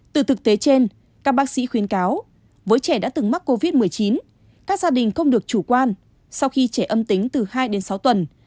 từ thực tế trên các bác sĩ khuyến cáo với trẻ đã từng mắc covid một mươi chín các gia đình không được chủ quan sau khi trẻ âm tính từ hai đến sáu tuần